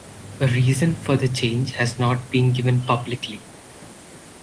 A reason for the change has not been given publicly.